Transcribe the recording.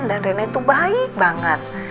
dan rena itu baik banget